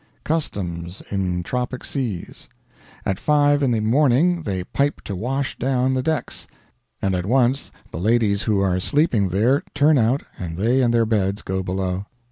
Customs in tropic seas. At 5 in the morning they pipe to wash down the decks, and at once the ladies who are sleeping there turn out and they and their beds go below.